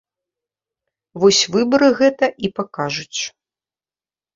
Вось выбары гэта і пакажуць.